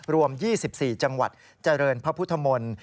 รวม๒๔จังหวัดเจริญพระพุทธมนตร์